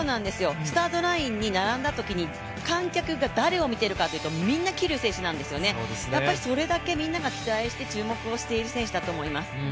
スタートラインに並んだときに観客が誰を見てるかというとみんな桐生選手なんですよね、それだけみんなが期待して、注目をしている選手だと思います。